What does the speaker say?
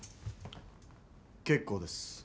結構です。